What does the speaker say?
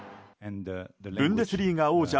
ブンデスリーガ王者